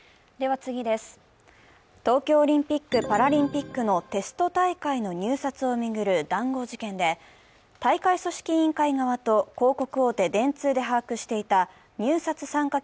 東京オリンピック・パラリンピックのテスト大会の入札を巡る談合事件で大会組織委員会側と広告大手、電通で把握していた入札参加